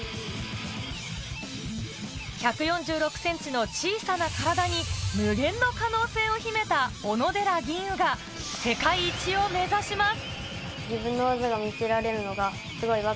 １４６ｃｍの小さな体に無限の可能性を秘めた小野寺吟雲が世界一を目指します。